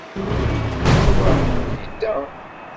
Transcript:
Yuba yedda.